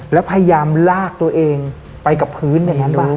แล้วพยายามลากตัวเองไปกับพื้นไม่รู้เหมือนกัน